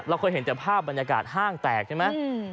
เคยเห็นแต่ภาพบรรยากาศห้างแตกใช่ไหม